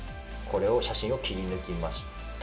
写真を切り抜きました。